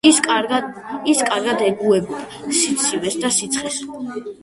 ის კარგად ეგუება სიცივეს და სიცხეს.